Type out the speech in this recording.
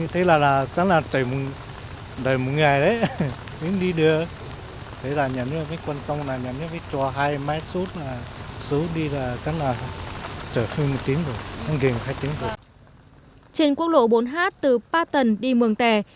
trên quốc lộ bốn h từ ba tầng đi mường tè